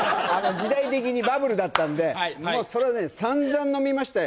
時代的にバブルだったんでもうそれはね散々飲みましたよ